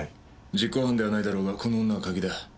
実行犯ではないだろうがこの女がカギだ。